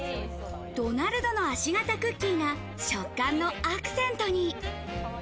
ドナルドの足形クッキーが食感のアクセントに。